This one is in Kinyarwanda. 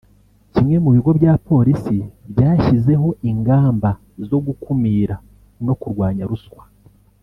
Kimwe mu bigo bya Polisi byashyizeho ingamba zo gukumira no kurwanya ruswa